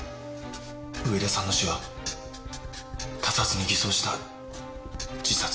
上田さんの死は他殺に偽装した自殺。